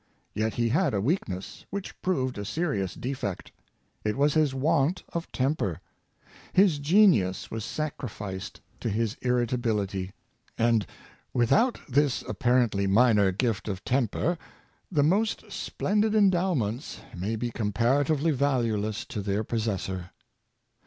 Yet he had a weakness, which proved a serious defect — it was his want of temper; his genius was sac rificed to his irritabihty. And without this apparently minor gift of temper, the most splendid endowments may be comparatively valueless to their possessor.